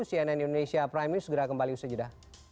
cnn indonesia prime news segera kembali usai jeda